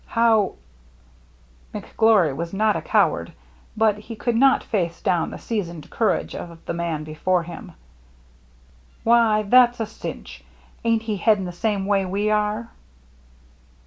" How —" McGlory was not a coward, but he could not face down the seasoned courage of the man before him. " Why — that's a cinch. Ain't he headed the same way we are